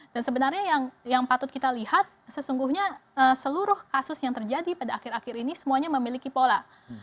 dan sebenarnya yang patut kita lihat sesungguhnya seluruh kasus yang terjadi pada akhir akhir ini semuanya memiliki pola